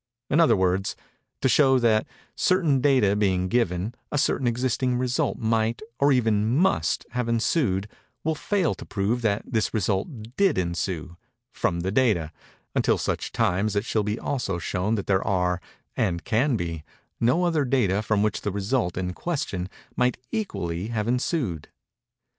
In other words:—to show that, certain data being given, a certain existing result might, or even must, have ensued, will fail to prove that this result did ensue, from the data, until such time as it shall be also shown that there are, and can be, no other data from which the result in question might equally have ensued.